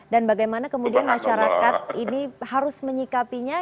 dan bagaimana kemudian masyarakat ini harus menyikapinya